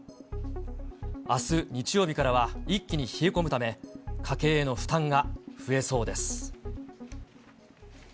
あす日曜日からは一気に冷え込むため、家計への負担が増えそうです。